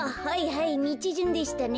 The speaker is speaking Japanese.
はいみちじゅんでしたね。